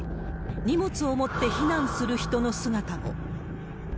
荷物を持って避難する人の姿も。